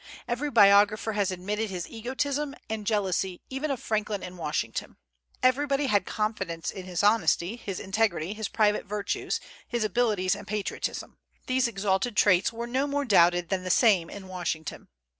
Every biographer has admitted his egotism, and jealousy even of Franklin and Washington. Everybody had confidence in his honesty, his integrity, his private virtues, his abilities, and patriotism. These exalted traits were no more doubted than the same in Washington.